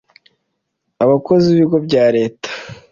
abakozi b ibigo bya leta